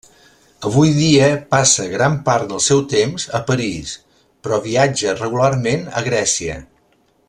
Avui dia, passa gran part del seu temps a París, però viatja regularment a Grècia.